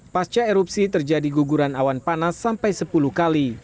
pasca erupsi terjadi guguran awan panas sampai sepuluh kali